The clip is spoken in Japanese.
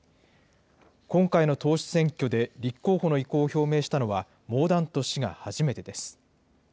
今回の党首選挙で立候補の意向を表明したのはモーダント氏が初めてです。